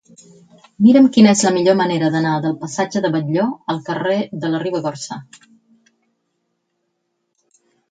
Mira'm quina és la millor manera d'anar del passatge de Batlló al carrer de la Ribagorça.